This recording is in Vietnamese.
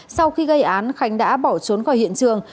sau khi gây án khánh đã bỏ trốn khỏi hiện trường